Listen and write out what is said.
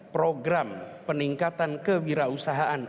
program peningkatan kewirausahaan